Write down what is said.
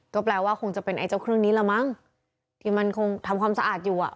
ก็แปลว่าคงจะเป็นไอ้เจ้าเครื่องนี้ละมั้งที่มันคงทำความสะอาดอยู่อ่ะ